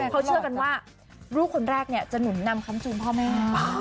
เขาเชื่อกันว่าลูกคนแรกเนี่ยจะหนุนนำคำจูนพ่อแม่